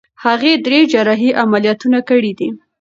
هغې درې جراحي عملیاتونه کړي دي.